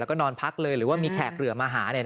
แล้วก็นอนพักเลยหรือว่ามีแขกเหลือมาหา